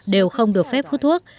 đều không được phép hút thuốc